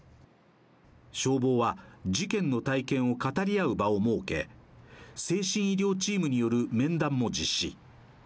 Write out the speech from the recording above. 消防は、事件の体験を語り合う場を設け、精神医療チームによる面談も実施。